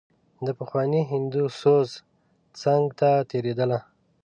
د پخواني هندو سوز څنګ ته تېرېدله.